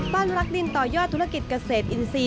บ้านรักดินต่อยอดธุรกิจเกษตรอินซี